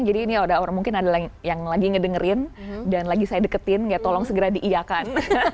jadi ini mungkin ada yang lagi ngedengerin dan lagi saya deketin ya tolong segera diiakan